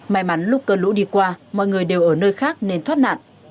may mắn lúc cơn lũ đi qua mọi người đều ở nơi khác nên thoát nạn